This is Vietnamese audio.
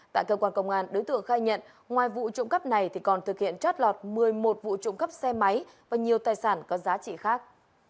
tại cơ quan công an đối tượng khai nhận ngoài vụ trộm cắp này còn thực hiện trót lọt một mươi một vụ trộm cắp xe máy và nhiều tài sản có giá trị khác